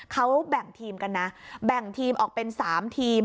เขาแบ่งทีมกันนะแบ่งทีมออกเป็น๓ทีม